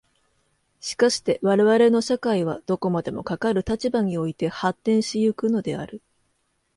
しかして我々の社会はどこまでもかかる立場において発展し行くのである。